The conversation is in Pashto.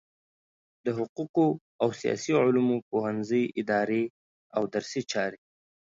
د حقوقو او سیاسي علومو پوهنځی اداري او درسي چارې